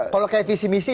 kalau kayak visi misi